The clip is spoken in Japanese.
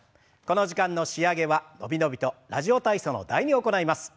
この時間の仕上げは伸び伸びと「ラジオ体操」の「第２」を行います。